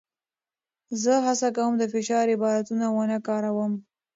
زه هڅه کوم د فشار عبارتونه ونه کاروم.